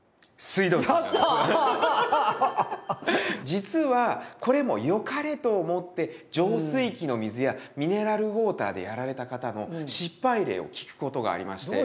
実はこれもよかれと思って浄水器の水やミネラルウォーターでやられた方の失敗例を聞くことがありまして。